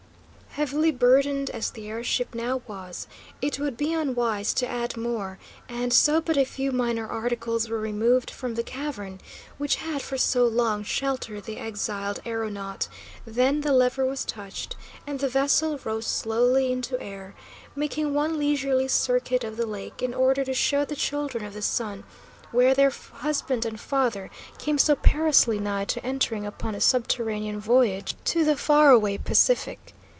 Heavily burdened as the air ship now was, it would be unwise to add more, and so but a few minor articles were removed from the cavern, which had for so long sheltered the exiled aeronaut, then the lever was touched, and the vessel rose slowly into air, making one leisurely circuit of the lake, in order to show the Children of the Sun where their husband and father came so perilously nigh to entering upon a subterranean voyage to the far away Pacific.